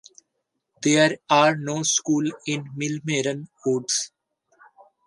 There are no schools in Millmerran Woods.